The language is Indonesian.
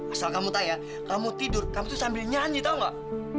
asal kamu tayang kamu tidur kamu tuh sambil nyanyi tau nggak